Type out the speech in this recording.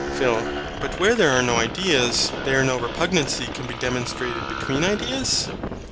PHIL. But where there are no ideas, there no repugnancy can be demonstrated between ideas?